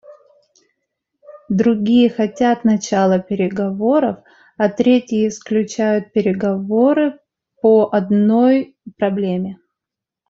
Другие хотят начала переговоров, а третьи исключают переговоры по одной проблеме.